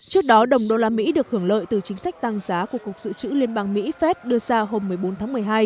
trước đó đồng usd được hưởng lợi từ chính sách tăng giá của cục dự trữ liên bang mỹ phép đưa ra hôm một mươi bốn tháng một mươi hai